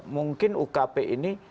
mungkin ukp ini